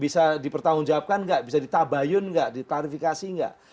kalau bisa dipertanggungjawabkan nggak bisa ditabayun nggak ditlarifikasi nggak